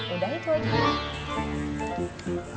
udah itu aja